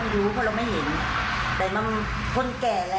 ก็ไม่รู้คุณแขนตอบชื่ออะไรหรือเปล่า